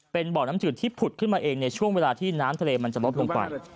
เป็นบ่อน้ำจืดที่ผุดขึ้นมาเองในช่วงเวลาที่น้ำทะเลมันจะลดลงไป